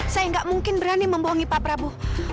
saya nggak mungkin berani membohongi pak prabowo